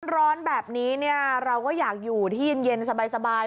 ร้อนแบบนี้เราก็อยากอยู่ที่เย็นสบาย